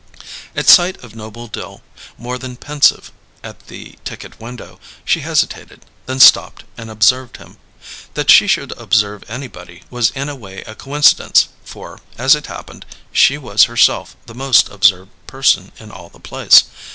At sight of Noble Dill, more than pensive at the ticket window, she hesitated, then stopped and observed him. That she should observe anybody was in a way a coincidence, for, as it happened, she was herself the most observed person in all the place.